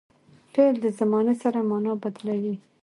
فعل د زمان سره مانا بدلوي.